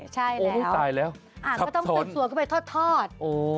ก็ต้องเปิดสวนเข้าไปทอด